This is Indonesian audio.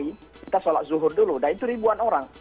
kita sholat zuhur dulu nah itu ribuan orang